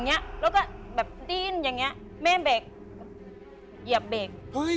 เฮ้ยเอาขับกันไปสองแม่ลูก